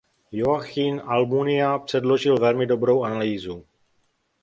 Joaquín Almunia předložil velmi dobrou analýzu.